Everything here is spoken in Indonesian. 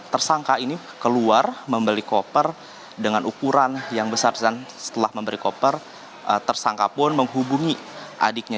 tersangka ini keluar membeli koper dengan ukuran yang besar setelah memberi koper tersangka pun menghubungi adiknya